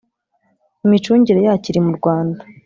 imicungire yacyo iri mu Rwanda